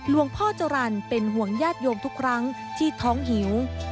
พ่อจรรย์เป็นห่วงญาติโยมทุกครั้งที่ท้องหิว